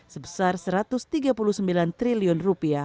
sebesar rp satu ratus tiga puluh sembilan triliun